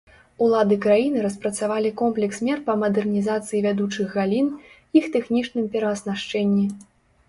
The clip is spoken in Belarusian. Улады краіны распрацавалі комплекс мер па мадэрнізацыі вядучых галін, іх тэхнічным перааснашчэнні.